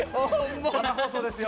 生放送ですよ。